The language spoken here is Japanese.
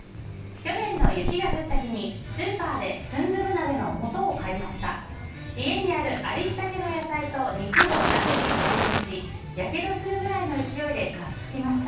去年の雪が降った日にスーパーでスンドゥブ鍋のもとを買いました。